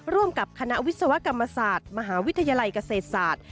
ร่วมกับคณะวิศวกรรมศาสตร์มหาวิทยาลัยเกษตรศาสตร์